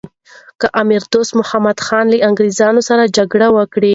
امیر دوست محمد خان له انګریزانو سره جګړه وکړه.